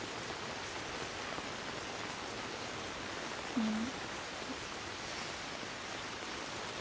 うん。